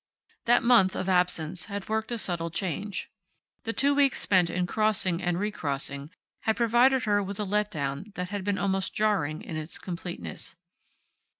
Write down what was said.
That month of absence had worked a subtle change. The two weeks spent in crossing and recrossing had provided her with a let down that had been almost jarring in its completeness.